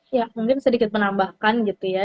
ya mungkin sedikit menambahkan gitu ya